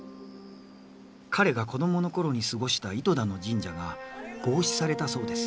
彼が子供の頃に過ごした糸田の神社が合祀されたそうです。